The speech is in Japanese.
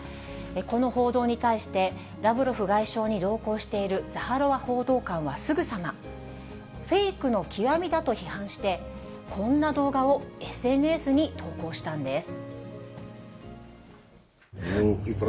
この報道に対して、ラブロフ外相に同行しているザハロワ報道官はすぐさま、フェイクの極みだと批判して、こんな動画をＳＮＳに投稿したんです。